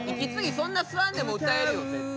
そんな吸わんでも歌えるよ絶対。